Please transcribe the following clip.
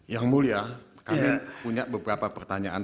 yang mulia kami punya beberapa pertanyaan